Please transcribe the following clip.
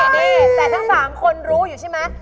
นี่แต่ทั้ง๓คนรู้อยู่ใช่ไหม